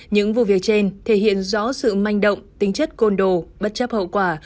những vụ việc trên thể hiện rõ sự manh động tính chất côn đồ bất chấp hậu quả